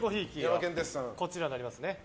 こちらになりますね。